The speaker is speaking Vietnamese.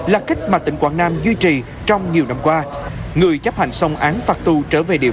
là cách mà tỉnh quảng nam duy trì trong nhiều năm qua người chấp hành xong án phạt tù trở về địa